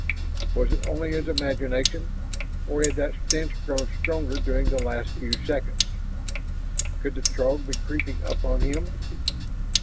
Was it only his imagination, or had that stench grown stronger during the last few seconds? Could the Throg be creeping up on him?